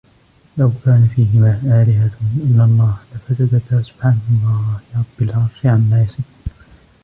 لَوْ كَانَ فِيهِمَا آلِهَةٌ إِلَّا اللَّهُ لَفَسَدَتَا فَسُبْحَانَ اللَّهِ رَبِّ الْعَرْشِ عَمَّا يَصِفُونَ